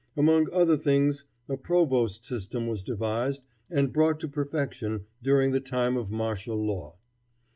Among other things a provost system was devised and brought to perfection during the time of martial law.